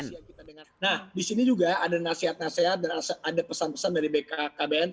nah di sini juga ada nasihat nasihat dan ada pesan pesan dari bkkbn